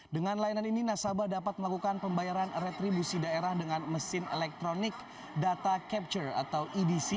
dengan layanan ini nasabah dapat melakukan pembayaran retribusi daerah dengan mesin elektronik data capture atau edc